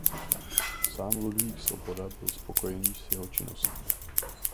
Sám Ludvík Svoboda byl spokojený s jeho činností.